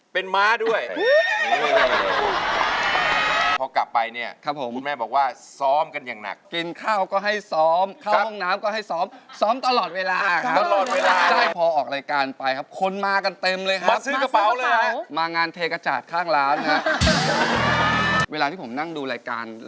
เป็นคาวบอยด้วยเป็นม้าด้วย